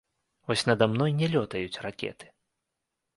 Вось нада мной не лётаюць ракеты.